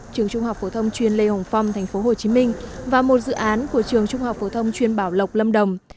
trường trung học phổ thông chuyên lê hồng phong tp hcm và một dự án của trường trung học phổ thông chuyên bảo lộc lâm đồng